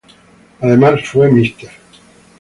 Además, fue Mr.